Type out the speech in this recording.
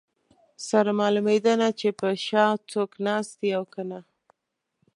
سره معلومېده نه چې پر شا څوک ناست دي او که نه.